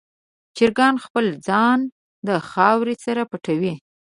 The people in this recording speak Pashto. چرګان خپل ځان د خاورو سره پټوي.